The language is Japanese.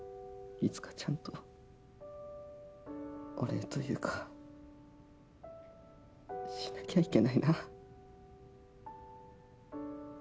いつかちゃんとお礼というかしなきゃいけないな。